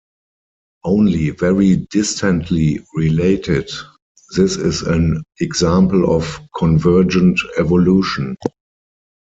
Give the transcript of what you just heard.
Only very distantly related, this is an example of convergent evolution.